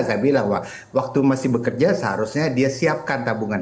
saya bilang waktu masih bekerja seharusnya dia siapkan tabungan